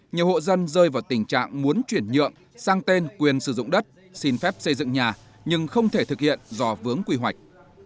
nhiều hộ dân rơi vào tình trạng muốn chuyển nhượng sang tên quyền sử dụng đất xin phép xây dựng nhà nhưng không thể thực hiện do vướng quy hoạch